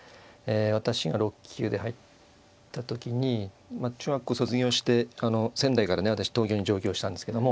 私が６級で入った時に中学校卒業して仙台からね私東京に上京したんですけども。